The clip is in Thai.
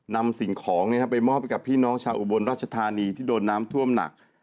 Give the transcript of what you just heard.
นำสิ่งของไปมอบให้กับพี่น้องชาวอุบลราชธานีที่โดนน้ำท่วมหนัก